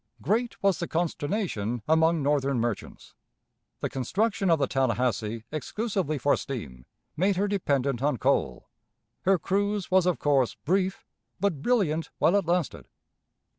Great was the consternation among Northern merchants. The construction of the Tallahassee exclusively for steam made her dependent on coal; her cruise was of course brief, but brilliant while it lasted.